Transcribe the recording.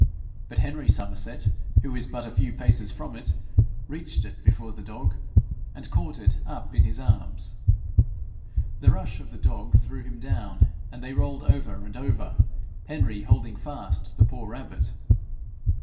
But Henry Somerset, who was but a few paces from it, reached it before the dog, and caught it up in his arms. The rush of the dog threw him down, and they rolled over and over, Henry holding fast the poor rabbit.